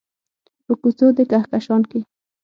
په کوڅو د کهکشان کې